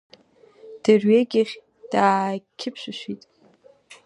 Дырҩегьых даақьыпшәышәит.